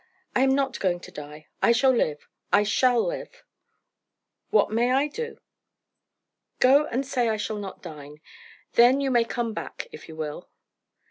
I am not going to die! I shall live I shall live!" "What may I do?" "Go and say I shall not dine. Then you may come back, if you will."